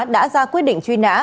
đã ra quyết định truy nã